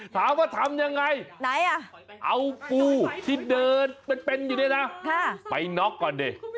ถามว่าทำอย่างไรเอากูที่เดินมันเป็นอยู่นี่นะไปน็อกก่อนดิ